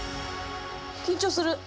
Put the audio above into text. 緊張する。